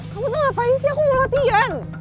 kamu tuh ngapain sih aku mau latihan